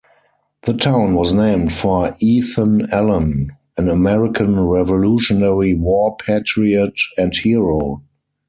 The town was named for Ethan Allen, an American Revolutionary War patriot and hero.